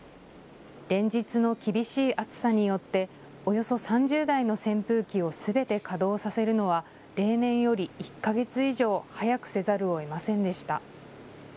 連日の厳しい暑さによっておよそ３０台の扇風機をすべて稼働させるのは例年より１か月以上、早くせざるをえませんでした。